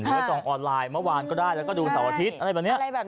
ว่าจองออนไลน์เมื่อวานก็ได้แล้วก็ดูเสาร์อาทิตย์อะไรแบบนี้